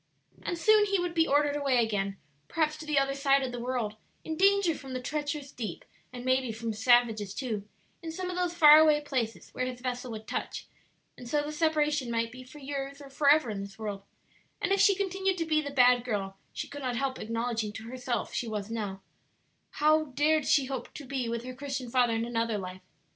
And soon he would be ordered away again, perhaps to the other side of the world; in danger from the treacherous deep and maybe from savages, too, in some of those far away places where his vessel would touch; and so the separation might be for years or forever in this world; and if she continued to be the bad girl she could not help acknowledging to herself she now was, how dared she hope to be with her Christian father in another life?